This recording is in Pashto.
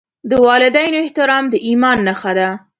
د والدینو احترام د ایمان نښه ده.